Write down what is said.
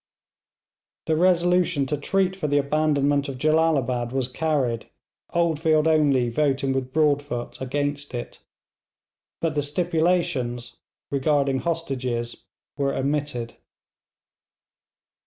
The resolution to treat for the abandonment of Jellalabad was carried, Oldfield only voting with Broadfoot against it, but the stipulations: regarding hostages were omitted.